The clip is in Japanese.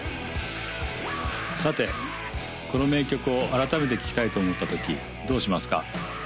さてこの名曲を改めて聴きたいと思ったときどうしますか？